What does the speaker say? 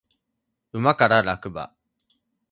馬から落馬